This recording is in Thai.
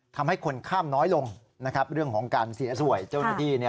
ทำให้คนข้ามน้อยลงเรื่องของการเสียสวยเจ้าหน้าที่